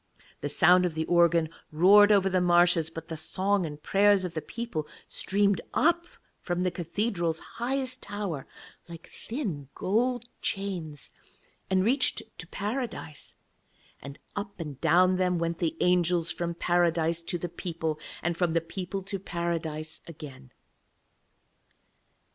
The sound of the organ roared over the marshes, but the song and prayers of the people streamed up from the cathedral's highest tower like thin gold chains, and reached to Paradise, and up and down them went the angels from Paradise to the people, and from the people to Paradise again.